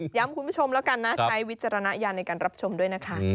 ค่ะย้ามคุณผู้ชมละกันนะใช้วิจารณะอย่างในการรับชมด้วยนะคะ